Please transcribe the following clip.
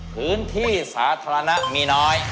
พื้นที่สาธารณะมีน้อย